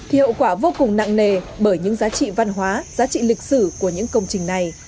hiệu quả vô cùng nặng nề bởi những giá trị văn hóa giá trị lịch sử của những công trình này